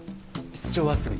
室長はすぐに。